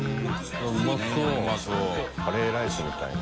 カレーライスみたいな。